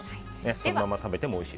そのまま食べてもおいしい。